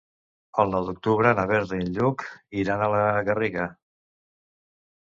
El nou d'octubre na Berta i en Lluc iran a la Garriga.